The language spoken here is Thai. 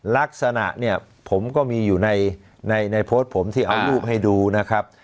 ลักษณะเนี่ยผมก็มีอยู่ในโพสต์ผมที่เอารูปให้ดูนะครับ